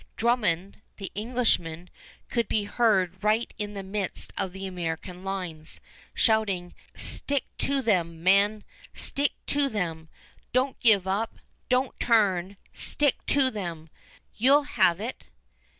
Drummond, the Englishman, could be heard right in the midst of the American lines, shouting, "Stick to them, men! stick to them! Don't give up! Don't turn! Stick to them! You 'll have it!"